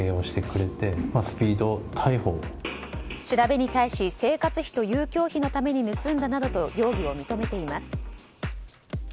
調べに対し生活費と遊興費のために盗んだなと容疑を認めています。